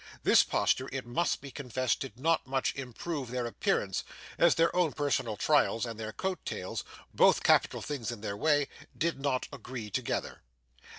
This posture it must be confessed did not much improve their appearance, as their own personal tails and their coat tails both capital things in their way did not agree together.